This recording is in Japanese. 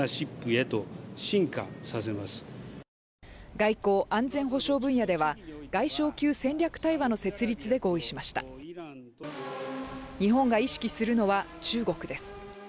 外交・安全保障分野では外相級戦略対話の設立で合意しました日本が意識するのは中国です。